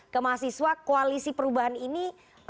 ke mahasiswa koalisi perubahan ini